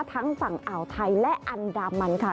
ทั้งฝั่งอ่าวไทยและอันดามันค่ะ